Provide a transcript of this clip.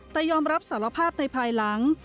แต่ยอมรับสารภาพในภายหลัง